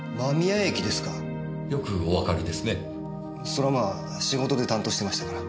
そりゃまあ仕事で担当してましたから。